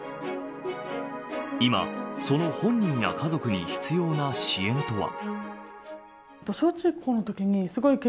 今、その本人や家族に必要な支援とは。